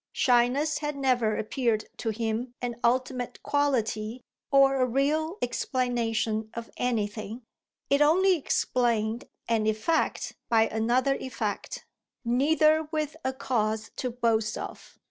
Shyness had never appeared to him an ultimate quality or a real explanation of anything; it only explained an effect by another effect, neither with a cause to boast of.